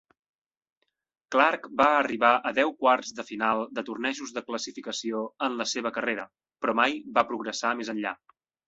Clark va arribar a deu quarts de final de tornejos de classificació en la seva carrera, però mai va progressar més enllà.